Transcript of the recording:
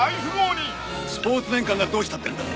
「スポーツ年鑑がどうしたってんだ？」